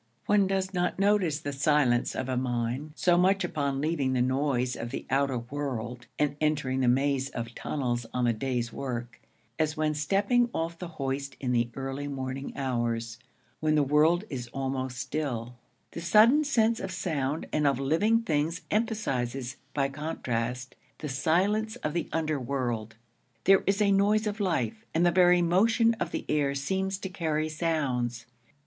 One does not notice the silence of a mine so much upon leaving the noise of the outer world and entering the maze of tunnels on the day's work, as when stepping off the hoist in the early morning hours, when the world is almost still: the sudden sense of sound and of living things emphasizes, by contrast, the silence of the underworld. There is a noise of life, and the very motion of the air seems to carry sounds.